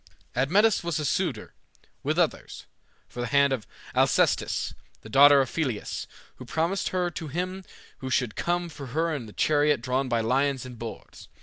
Admetus was a suitor, with others, for the hand of Alcestis, the daughter of Pelias, who promised her to him who should come for her in a chariot drawn by lions and boars.